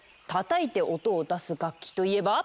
叩いて音を出す楽器といえば？